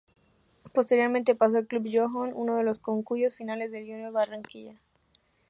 Posteriormente pasó al Club Johann, uno de los conjuntos filiales del Junior Barranquilla.